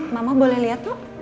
mama boleh lihat dong